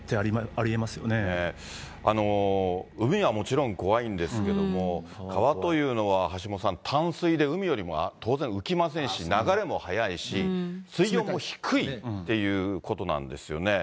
たぶんその可能性あると思っていて、川というのは橋下さん、淡水で海よりも当然浮きませんし、流れも速いし、水温も低いっていうことなんですよね。